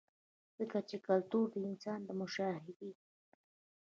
ځکه چې کلتور د انسان د مشاهدې